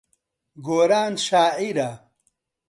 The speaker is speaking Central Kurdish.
گۆران شاعیرە.